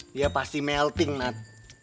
dia pasti melting nat